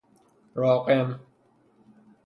راقم